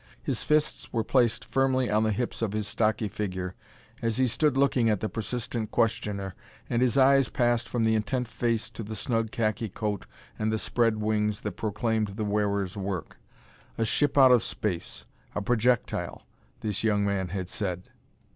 His fists were placed firmly on the hips of his stocky figure as he stood looking at the persistent questioner, and his eyes passed from the intent face to the snug khaki coat and the spread wings that proclaimed the wearer's work. A ship out of space a projectile this young man had said.